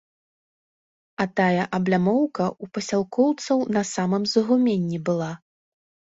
А тая аблямоўка ў пасялкоўцаў на самым загуменні была.